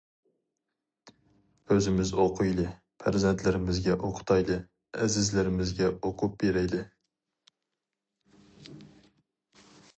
ئۆزىمىز ئوقۇيلى، پەرزەنتلىرىمىزگە ئوقۇتايلى، ئەزىزلىرىمىزگە ئوقۇپ بېرەيلى!